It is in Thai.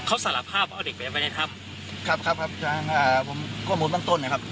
เขาสารภาพว่าเอาเด็กไปในถ้ำครับครับครับอ่าผมก็มุมตั้งต้นนะครับ